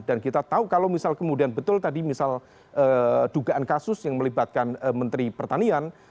dan kita tahu kalau misal kemudian betul tadi misal dugaan kasus yang melibatkan menteri pertama